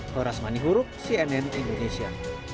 horas mani hurup cnn indonesia